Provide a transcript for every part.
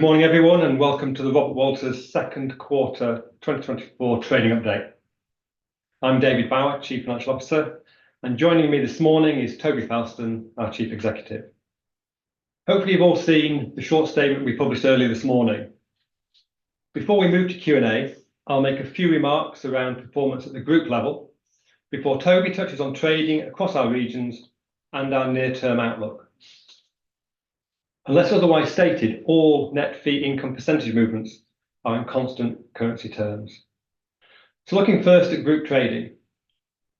Good morning, everyone, and welcome to the Robert Walters Q2 2024 trading update. I'm David Bower, Chief Financial Officer, and joining me this morning is Toby Fowlston, our Chief Executive. Hopefully, you've all seen the short statement we published earlier this morning. Before we move to Q&A, I'll make a few remarks around performance at the group level before Toby touches on trading across our regions and our near-term outlook. Unless otherwise stated, all net fee income percentage movements are in constant currency terms. So looking first at group trading,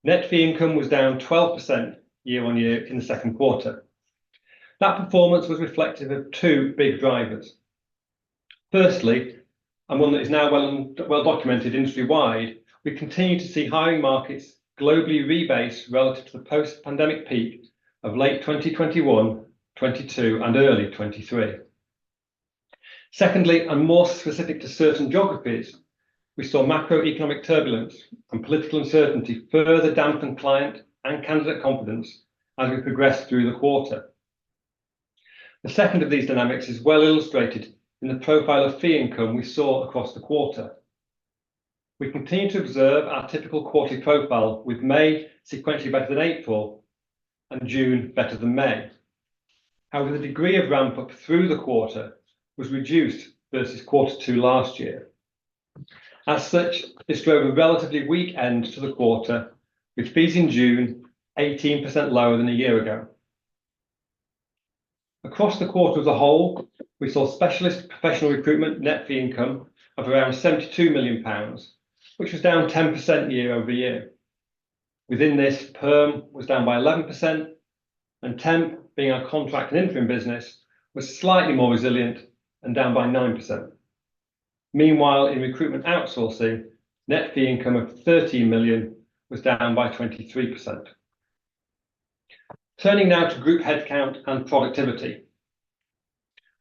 net fee income was down 12% year on year in the Q2. That performance was reflective of two big drivers. Firstly, and one that is now well, well-documented industry-wide, we continue to see hiring markets globally rebase relative to the post-pandemic peak of late 2021, 2022, and early 2023. Secondly, and more specific to certain geographies, we saw macroeconomic turbulence and political uncertainty further dampen client and candidate confidence as we progressed through the quarter. The second of these dynamics is well illustrated in the profile of fee income we saw across the quarter. We continue to observe our typical quarterly profile with May sequentially better than April and June better than May. However, the degree of ramp-up through the quarter was reduced versus quarter two last year. As such, this drove a relatively weak end to the quarter, with fees in June 18% lower than a year ago. Across the quarter as a whole, we saw specialist professional recruitment net fee income of around 72 million pounds, which was down 10% year-over-year. Within this, perm was down by 11%, and temp, being our contract and interim business, was slightly more resilient and down by 9%. Meanwhile, in recruitment outsourcing, net fee income of 13 million was down by 23%. Turning now to group headcount and productivity.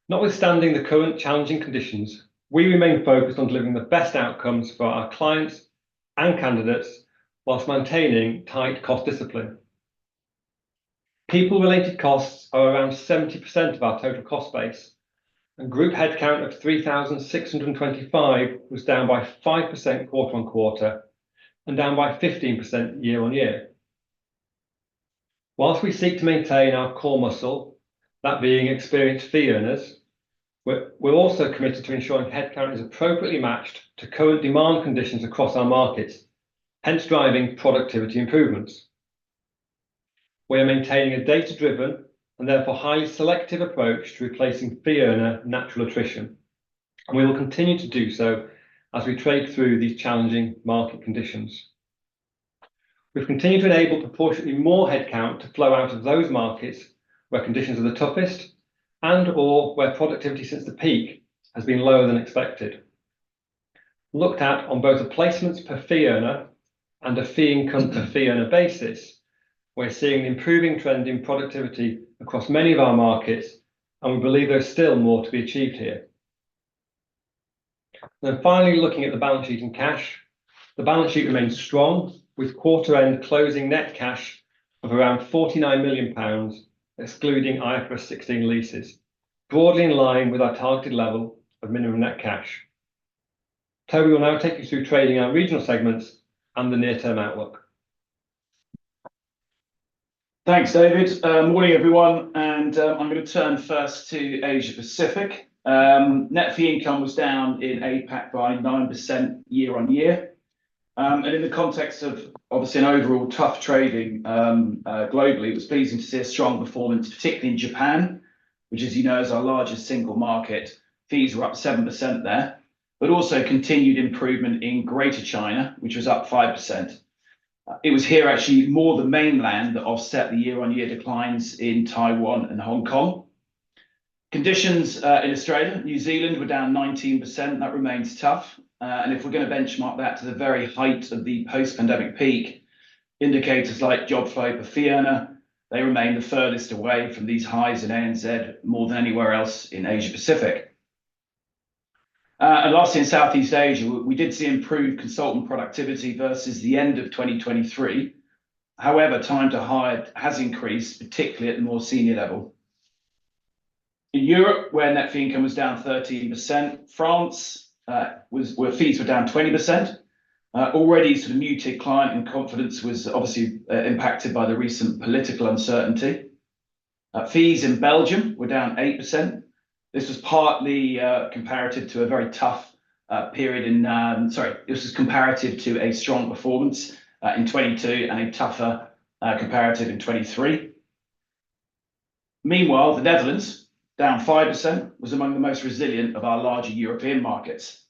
Notwithstanding the current challenging conditions, we remain focused on delivering the best outcomes for our clients and candidates while maintaining tight cost discipline. People-related costs are around 70% of our total cost base, and group headcount of 3,625 was down by 5% quarter-on-quarter and down by 15% year-on-year. While we seek to maintain our core muscle, that being experienced fee earners, we're also committed to ensuring headcount is appropriately matched to current demand conditions across our markets, hence driving productivity improvements. We are maintaining a data-driven and therefore highly selective approach to replacing fee earner natural attrition, and we will continue to do so as we trade through these challenging market conditions. We've continued to enable proportionately more headcount to flow out of those markets where conditions are the toughest and/or where productivity since the peak has been lower than expected. Looked at on both a placements per fee earner and a fee income per fee earner basis, we're seeing an improving trend in productivity across many of our markets, and we believe there's still more to be achieved here. Then finally, looking at the balance sheet and cash. The balance sheet remains strong, with quarter-end closing net cash of around 49 million pounds, excluding IFRS 16 leases, broadly in line with our targeted level of minimum net cash. Toby will now take you through trading our regional segments and the near-term outlook. Thanks, David. Morning, everyone, and I'm going to turn first to Asia Pacific. Net fee income was down in APAC by 9% year-on-year. And in the context of obviously an overall tough trading globally, it was pleasing to see a strong performance, particularly in Japan, which, as you know, is our largest single market. Fees were up 7% there, but also continued improvement in Greater China, which was up 5%. It was here, actually, more the mainland that offset the year-on-year declines in Taiwan and Hong Kong. Conditions in Australia, New Zealand were down 19%, and that remains tough. And if we're going to benchmark that to the very height of the post-pandemic peak, indicators like job flow per fee earner, they remain the furthest away from these highs in ANZ more than anywhere else in Asia Pacific. And lastly, in Southeast Asia, we did see improved consultant productivity versus the end of 2023. However, time to hire has increased, particularly at the more senior level. In Europe, where net fee income was down 13%, France was where fees were down 20%. Already sort of muted client and confidence was obviously impacted by the recent political uncertainty. Fees in Belgium were down 8%. This was partly comparative to a strong performance in 2022 and a tougher comparative in 2023. Meanwhile, the Netherlands, down 5%, was among the most resilient of our larger European markets.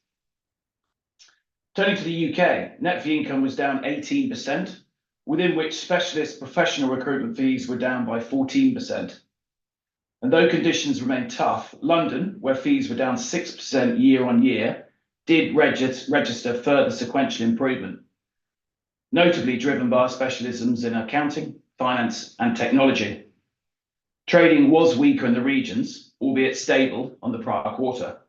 Turning to the UK, net fee income was down 18%, within which specialist professional recruitment fees were down by 14%. Though conditions remain tough, London, where fees were down 6% year-on-year, did register further sequential improvement, notably driven by specialisms in accounting, finance, and technology. Trading was weaker in the regions, albeit stable on the prior quarter.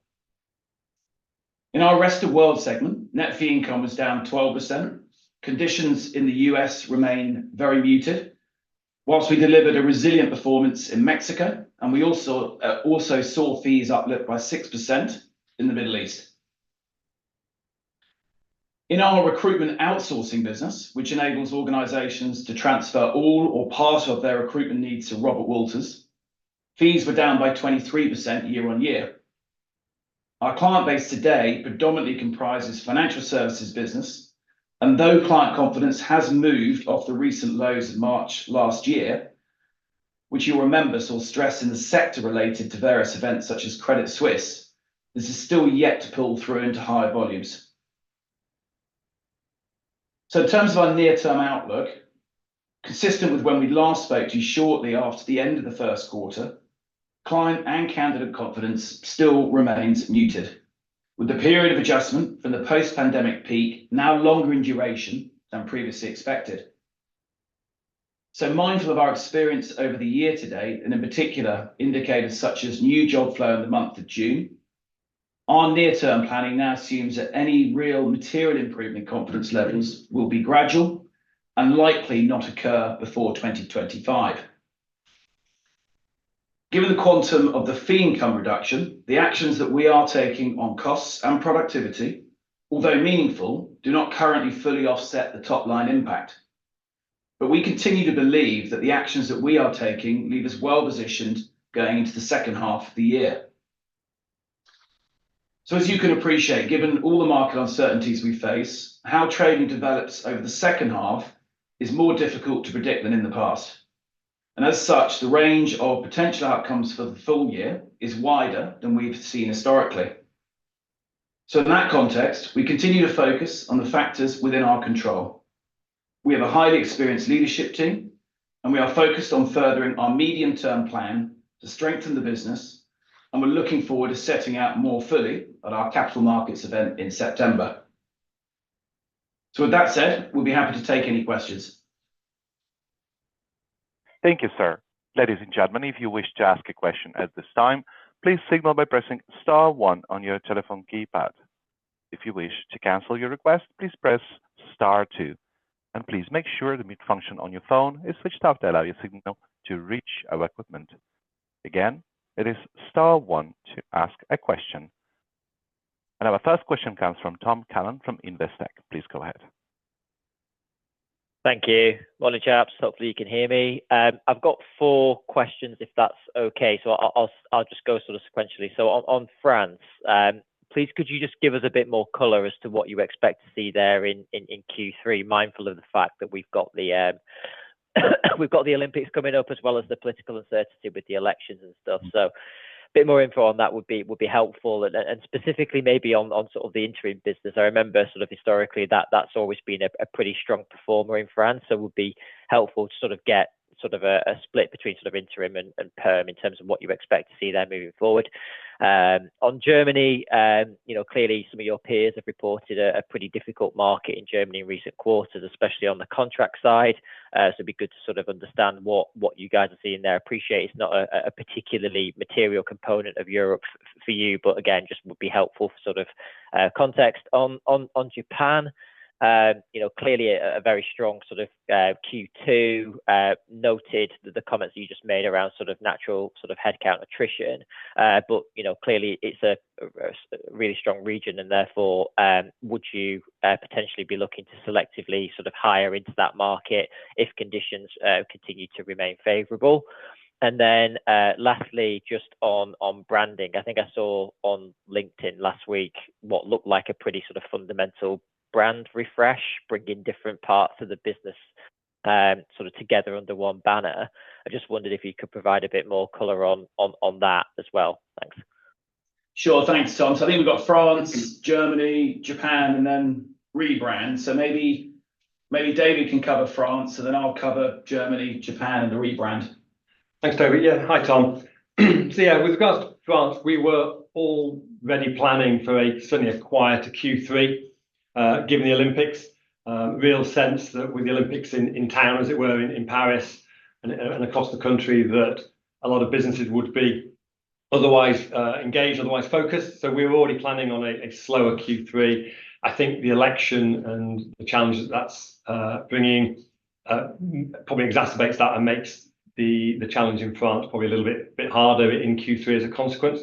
In our Rest of World segment, net fee income was down 12%. Conditions in the US remain very muted, while we delivered a resilient performance in Mexico, and we also saw fees uplift by 6% in the Middle East. In our recruitment outsourcing business, which enables organizations to transfer all or part of their recruitment needs to Robert Walters, fees were down by 23% year-on-year. Our client base today predominantly comprises financial services business, and though client confidence has moved off the recent lows of March last year, which you'll remember, saw stress in the sector related to various events such as Credit Suisse, this is still yet to pull through into higher volumes. In terms of our near-term outlook, consistent with when we last spoke to you shortly after the end of the Q1, client and candidate confidence still remains muted, with the period of adjustment from the post-pandemic peak now longer in duration than previously expected. Mindful of our experience over the year to date, and in particular, indicators such as new job flow in the month of June, our near-term planning now assumes that any real material improvement in confidence levels will be gradual and likely not occur before 2025. Given the quantum of the fee income reduction, the actions that we are taking on costs and productivity, although meaningful, do not currently fully offset the top-line impact. We continue to believe that the actions that we are taking leave us well-positioned going into the H2 of the year. As you can appreciate, given all the market uncertainties we face, how trading develops over the H2 is more difficult to predict than in the past, and as such, the range of potential outcomes for the full year is wider than we've seen historically. In that context, we continue to focus on the factors within our control. We have a highly experienced leadership team, and we are focused on furthering our medium-term plan to strengthen the business, and we're looking forward to setting out more fully at our Capital Markets Event in September. With that said, we'll be happy to take any questions. Thank you, sir. Ladies and gentlemen, if you wish to ask a question at this time, please signal by pressing star one on your telephone keypad. If you wish to cancel your request, please press star two, and please make sure the mute function on your phone is switched off to allow your signal to reach our equipment. Again, it is star one to ask a question. Our first question comes from Tom Callan from Investec. Please go ahead. Thank you. Morning, chaps. Hopefully, you can hear me. I've got four questions, if that's okay, so I'll just go sort of sequentially. So on France, please, could you just give us a bit more color as to what you expect to see there in Q3, mindful of the fact that we've got the Olympics coming up, as well as the political uncertainty with the elections and stuff. So a bit more info on that would be helpful and specifically maybe on sort of the interim business. I remember sort of historically, that's always been a pretty strong performer in France, so it would be helpful to sort of get sort of a split between sort of interim and perm in terms of what you expect to see there moving forward. On Germany, you know, clearly some of your peers have reported a pretty difficult market in Germany in recent quarters, especially on the contract side. So it'd be good to sort of understand what you guys are seeing there. Appreciate it's not a particularly material component of Europe for you, but again, just would be helpful for sort of context. On Japan, you know, clearly a very strong sort of Q2. Noted the comments you just made around sort of natural headcount attrition, but you know, clearly, it's a really strong region, and therefore, would you potentially be looking to selectively sort of hire into that market if conditions continue to remain favorable? And then, lastly, just on branding, I think I saw on LinkedIn last week what looked like a pretty sort of fundamental brand refresh, bringing different parts of the business, sort of together under one banner. I just wondered if you could provide a bit more color on that as well. Thanks. Sure. Thanks, Tom. So I think we've got France, Germany, Japan and then rebrand. So maybe, maybe David can cover France, and then I'll cover Germany, Japan, and the rebrand. Thanks, Toby. Yeah. Hi, Tom. So yeah, with regards to France, we were already planning for a certainly a quieter Q3, given the Olympics. Real sense that with the Olympics in town, as it were, in Paris and across the country, that a lot of businesses would be otherwise engaged, otherwise focused, so we were already planning on a slower Q3. I think the election and the challenges that's bringing probably exacerbates that and makes the challenge in France probably a little bit harder in Q3 as a consequence.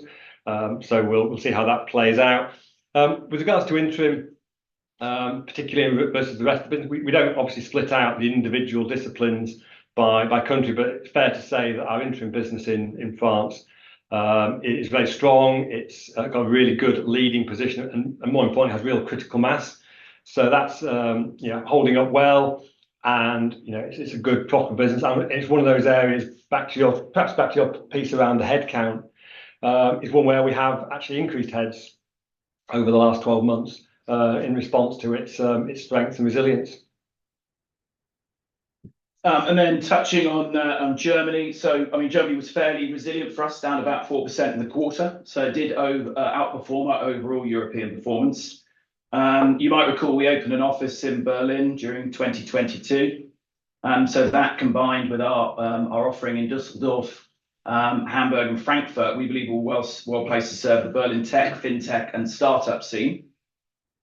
So we'll see how that plays out. With regards to interim, particularly versus the rest of business, we don't obviously split out the individual disciplines by country, but it's fair to say that our interim business in France is very strong. It's got a really good leading position and, and more importantly, has real critical mass. So that's, you know, holding up well, and, you know, it's, it's a good profit business. And it's one of those areas back to your... Perhaps back to your piece around the headcount, is one where we have actually increased heads over the last 12 months, in response to its, its strength and resilience. And then touching on, on Germany. So, I mean, Germany was fairly resilient for us, down about 4% in the quarter, so it did outperform our overall European performance. You might recall we opened an office in Berlin during 2022.... So that combined with our, our offering in Düsseldorf, Hamburg, and Frankfurt, we believe we're well, well-placed to serve the Berlin tech, fintech, and startup scene.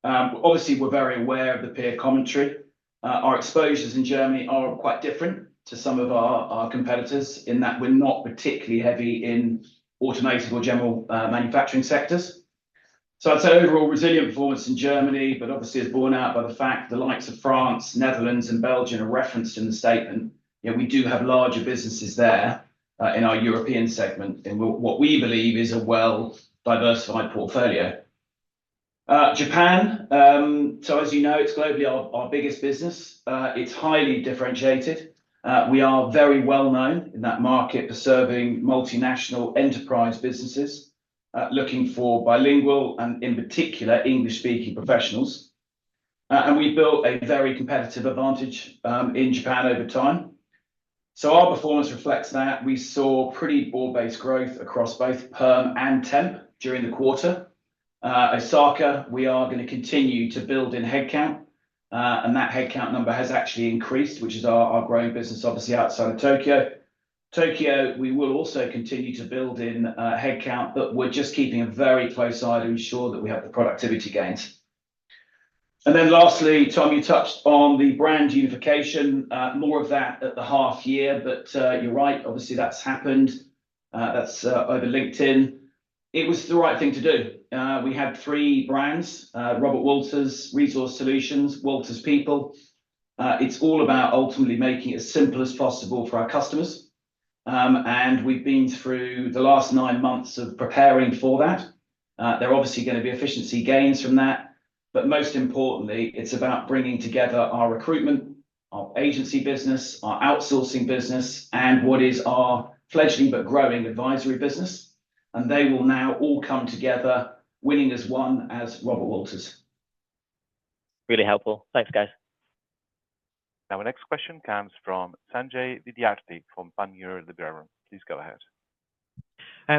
Obviously, we're very aware of the peer commentary. Our exposures in Germany are quite different to some of our, our competitors, in that we're not particularly heavy in automotive or general, manufacturing sectors. So I'd say overall resilient performance in Germany, but obviously it's borne out by the fact the likes of France, Netherlands, and Belgium are referenced in the statement, yet we do have larger businesses there, in our European segment, in what, what we believe is a well-diversified portfolio. Japan, so as you know, it's globally our, our biggest business. It's highly differentiated. We are very well-known in that market for serving multinational enterprise businesses, looking for bilingual and, in particular, English-speaking professionals. And we've built a very competitive advantage, in Japan over time. So our performance reflects that. We saw pretty broad-based growth across both perm and temp during the quarter. Osaka, we are gonna continue to build in headcount, and that headcount number has actually increased, which is our growing business, obviously, outside of Tokyo. Tokyo, we will also continue to build in headcount, but we're just keeping a very close eye to ensure that we have the productivity gains. And then lastly, Tom, you touched on the brand unification. More of that at the half year, but you're right, obviously, that's happened. That's over LinkedIn. It was the right thing to do. We had three brands, Robert Walters, Resource Solutions, Walters People. It's all about ultimately making it as simple as possible for our customers. We've been through the last nine months of preparing for that. There are obviously gonna be efficiency gains from that, but most importantly, it's about bringing together our recruitment, our agency business, our outsourcing business, and what is our fledgling but growing advisory business, and they will now all come together, winning as one as Robert Walters. Really helpful. Thanks, guys. Now our next question comes from Sanjay Vidyarthi from Panmure Liberum. Please go ahead.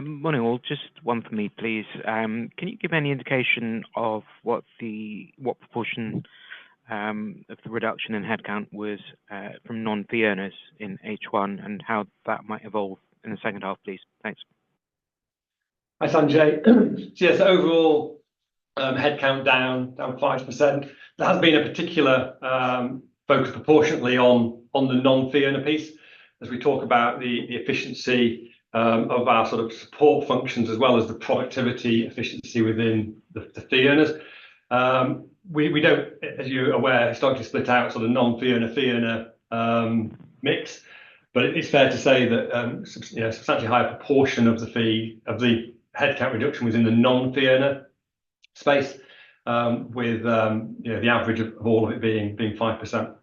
Morning, all. Just one for me, please. Can you give any indication of what proportion of the reduction in headcount was from non-fee earners in H1, and how that might evolve in the H2, please? Thanks. Hi, Sanjay. So, yes, overall, headcount down 5%. There has been a particular focus proportionately on the non-fee earner piece, as we talk about the efficiency of our sort of support functions, as well as the productivity efficiency within the fee earners. We don't, as you're aware, historically split out sort of non-fee earner, fee earner mix, but it's fair to say that a substantially higher proportion of the fee, of the headcount reduction was in the non-fee earner space, with you know, the average of all of it being 5%.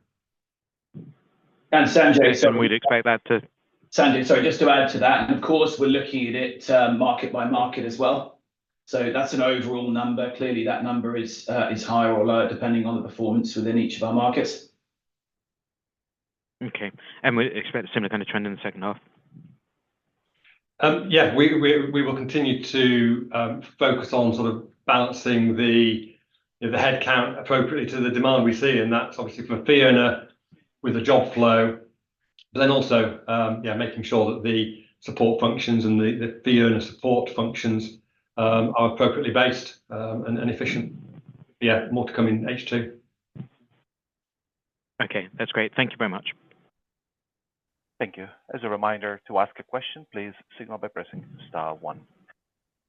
And Sanjay- And we'd expect that to- Sanjay, sorry, just to add to that, and of course, we're looking at it, market by market as well. So that's an overall number. Clearly, that number is higher or lower, depending on the performance within each of our markets. Okay. And we expect a similar kind of trend in the H2? Yeah, we will continue to focus on sort of balancing the headcount appropriately to the demand we see, and that's obviously for fee earner with the job flow, but then also, yeah, making sure that the support functions and the fee earner support functions are appropriately based, and efficient. Yeah, more to come in H2. Okay. That's great. Thank you very much. Thank you. As a reminder, to ask a question, please signal by pressing star one.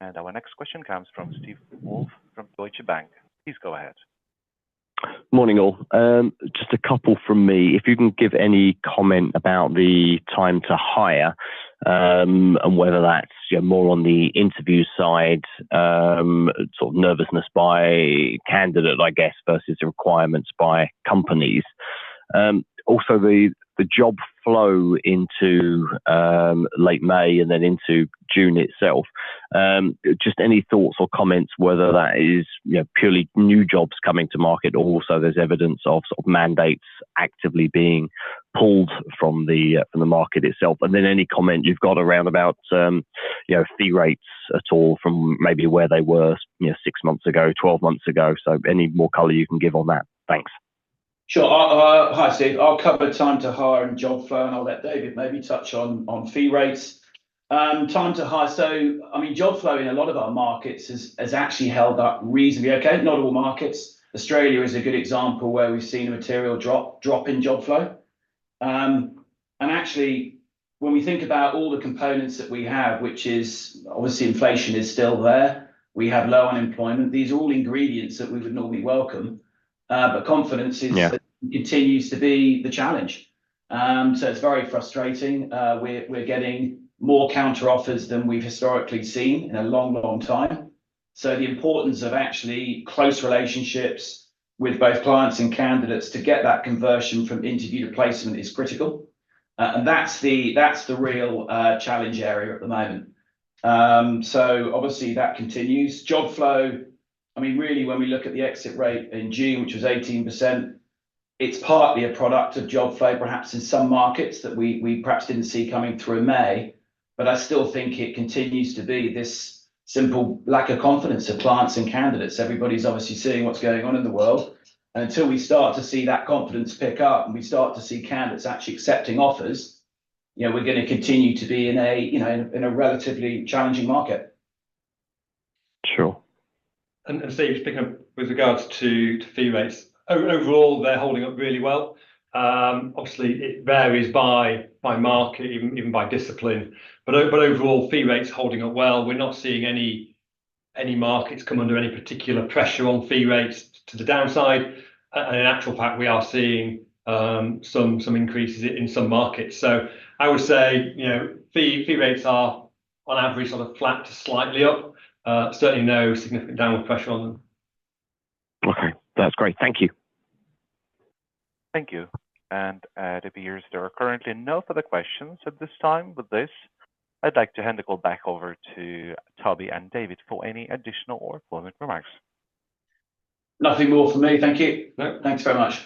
Our next question comes from Steve Woolf from Deutsche Bank. Please go ahead. Morning, all. Just a couple from me. If you can give any comment about the time to hire, and whether that's, you know, more on the interview side, sort of nervousness by candidate, I guess, versus the requirements by companies. Also the job flow into late May, and then into June itself, just any thoughts or comments whether that is, you know, purely new jobs coming to market or also there's evidence of sort of mandates actively being pulled from the market itself? And then any comment you've got around about, you know, fee rates at all from maybe where they were, you know, six months ago, 12 months ago, so any more color you can give on that. Thanks. Sure. Hi, Steve. I'll cover time to hire and job flow, and I'll let David maybe touch on fee rates. Time to hire, so, I mean, job flow in a lot of our markets has actually held up reasonably okay. Not all markets. Australia is a good example where we've seen a material drop in job flow. And actually, when we think about all the components that we have, which is, obviously, inflation is still there, we have low unemployment, these are all ingredients that we would normally welcome, but confidence is- Yeah... continues to be the challenge. So it's very frustrating. We're getting more counteroffers than we've historically seen in a long, long time. So the importance of actually close relationships with both clients and candidates to get that conversion from interview to placement is critical. And that's the real challenge area at the moment. So obviously, that continues. Job flow, I mean, really, when we look at the exit rate in June, which was 18%, it's partly a product of job flow, perhaps in some markets that we perhaps didn't see coming through May, but I still think it continues to be this simple lack of confidence of clients and candidates. Everybody's obviously seeing what's going on in the world, and until we start to see that confidence pick up and we start to see candidates actually accepting offers, you know, we're gonna continue to be in a, you know, relatively challenging market. Sure. Steve, just picking up with regards to fee rates. Overall, they're holding up really well. Obviously, it varies by market, even by discipline, but overall, fee rates holding up well. We're not seeing any markets come under any particular pressure on fee rates to the downside. And in actual fact, we are seeing some increases in some markets. So I would say, you know, fee rates are on average, sort of flat to slightly up. Certainly no significant downward pressure on them. Okay. That's great. Thank you. Thank you. And, it appears there are currently no further questions at this time. With this, I'd like to hand the call back over to Toby and David for any additional or closing remarks. Nothing more from me. Thank you. Nope. Thanks very much.